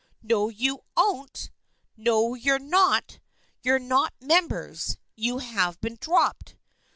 "No, you oughtn't ! No, you're not! You're not members. You've been dropped.